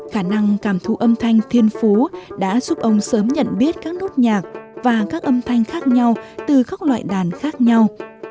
khả năng cảm thú âm thanh thiên phú đã giúp ông sớm nhận biết các nốt nhạc và các âm thanh khác nhau từ các loại đàn khác nhau